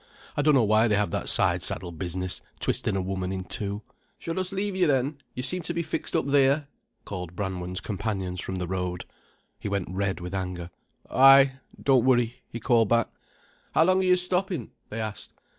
"I dunno why they have that side saddle business, twistin' a woman in two." "Should us leave you then—you seem to be fixed up there?" called Brangwen's companions from the road. He went red with anger. "Ay—don't worry," he called back. "How long are yer stoppin'?" they asked.